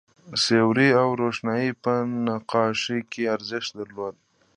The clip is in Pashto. سیوری او روښنايي په نقاشۍ کې ارزښت درلود.